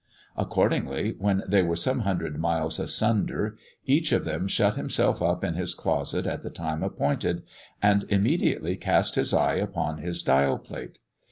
Accordingly, when they were some hundred miles asunder, each of them shut himself up in his closet at the time appointed, and immediately cast his eye upon his dial plate.